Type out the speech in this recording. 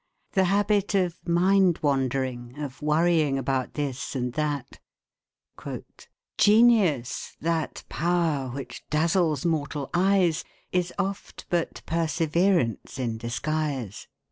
The habit of mind wandering, of worrying about this and that, "Genius, that power which dazzles mortal eyes, Is oft but Perseverance in disguise."